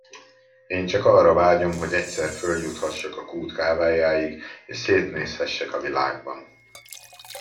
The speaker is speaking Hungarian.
Én csak arra vágyom, hogy egyszer följuthassak a kút kávájáig, és szétnézhessek a világban.